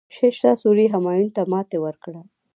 شیرشاه سوري همایون ته ماتې ورکړه.